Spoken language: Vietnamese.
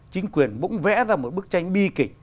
chính quyền bỗng vẽ ra một bức tranh bi kịch